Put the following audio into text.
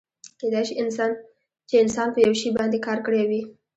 کیدای شي چې انسان په یو شي باندې کار کړی وي.